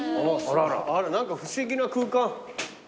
あら何か不思議な空間。